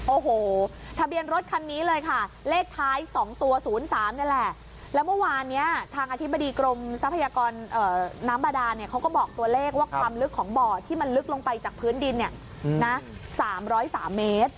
โอ้โหทะเบียนรถคันนี้เลยค่ะเลขท้าย๒ตัว๐๓นี่แหละแล้วเมื่อวานเนี่ยทางอธิบดีกรมทรัพยากรน้ำบาดาเนี่ยเขาก็บอกตัวเลขว่าความลึกของบ่อที่มันลึกลงไปจากพื้นดินเนี่ยนะ๓๐๓เมตร